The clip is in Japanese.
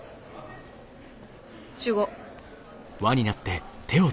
集合。